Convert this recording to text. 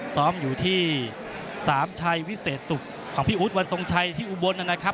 ซ้อมอยู่ที่สามชัยวิเศษสุขของพี่อู๊ดวันทรงชัยที่อุบลนะครับ